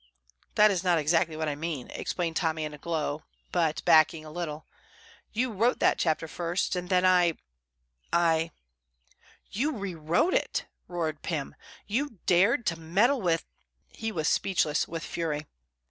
"That is not exactly what I mean," explained Tommy, in a glow, but backing a little; "you wrote that chapter first, and then I I " "You rewrote it!" roared Pym. "You dared to meddle with " He was speechless with fury.